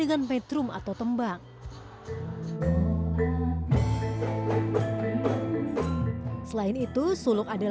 aperanya tijd islam